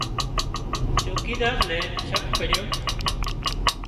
چوڪيڌار نين شڪ پڙيو